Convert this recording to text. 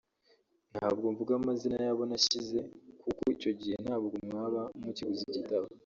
ntabwo mvuga amazina y’abo nashyize kuko icyo gihe ntabwo mwaba mukiguze igitabo